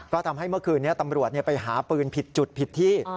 ก็ทำให้เมื่อคืนนี้ตำรวจไปหาปืนผิดจุดผิดที่